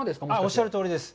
おっしゃるとおりです。